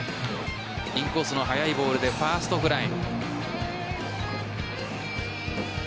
インコースの速いボールでファーストフライ。